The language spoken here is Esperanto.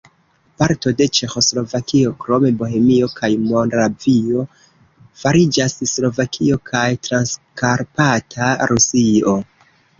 Parto de Ĉeĥoslovakio krom Bohemio kaj Moravio fariĝas Slovakio kaj Transkarpata Rusio.